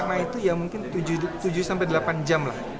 selama itu ya mungkin tujuh sampai delapan jam lah